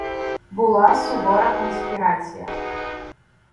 Була сувора конспірація.